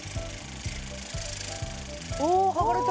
おお剥がれた。